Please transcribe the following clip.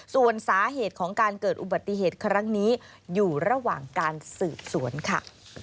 ส่วนสาเหตุของการเกิดอุบัติเหตุครั้งนี้อยู่ระหว่างการสืบสวนค่ะ